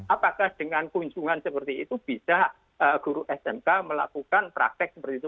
apakah dengan kunjungan seperti itu bisa guru smk melakukan praktek seperti itu